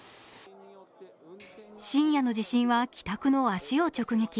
深夜の地震は帰宅の足を直撃。